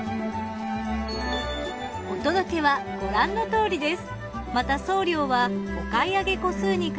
お届けはご覧の通りです。